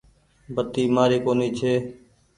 بتي مآري ڪونيٚ ڇي۔